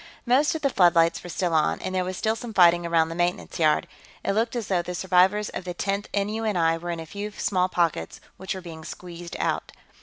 Most of the floodlights were still on, and there was still some fighting around the maintenance yard. It looked as though the survivors of the Tenth N.U.N.I. were in a few small pockets which were being squeezed out.